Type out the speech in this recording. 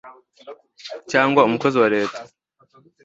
cyangwa umukozi wa leta